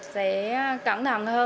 sẽ cẩn thận hơn